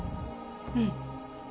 うん。